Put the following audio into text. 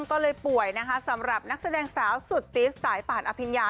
ก็เลยป่วยนะคะสำหรับนักแสดงสาวสุดติสสายป่านอภิญญา